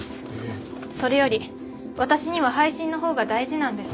それより私には配信のほうが大事なんです。